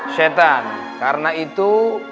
syaitan karena itu